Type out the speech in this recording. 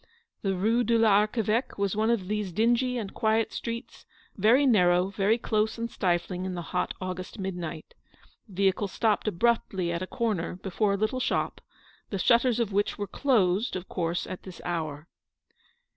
The Rue de l'Archeveque was one of these dingy and quiet streets, very narrow, very close and stifling in the hot August midnight. The vehicle stopped abruptly at a corner, before a little shop, the shutters of which were closed, of course, at this hour.